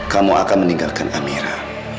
kamu akan meninggalkan amira